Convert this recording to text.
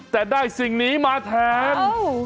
แต่ได้สิ่งนี้มาแทน